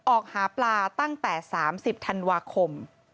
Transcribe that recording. ออกหาปลาตั้งแต่๓๐ธันวาคม